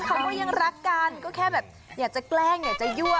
เขาก็ยังรักกันก็แค่แบบอยากจะแกล้งอยากจะยั่ว